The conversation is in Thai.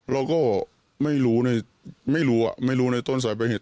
เราก็ไม่รู้ในไม่รู้อ่ะไม่รู้ในต้นสายเป็นเหตุ